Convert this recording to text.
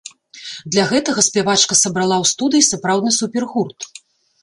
Для гэтага спявачка сабрала ў студыі сапраўдны супергурт.